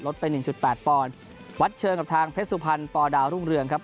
ไปหนึ่งจุดแปดปอนด์วัดเชิงกับทางเพชรสุพรรณปอดาวรุ่งเรืองครับ